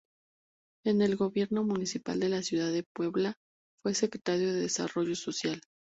En el Gobierno Municipal de la Ciudad de Puebla, fue Secretario de Desarrollo Social.